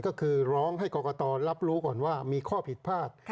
ก็คือร้องให้กรกตรับรู้ก่อนว่ามีข้อผิดพลาด